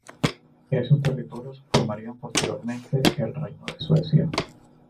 Esos territorios formarían posteriormente el reino de Suecia.